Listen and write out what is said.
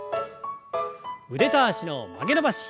腕と脚の曲げ伸ばし。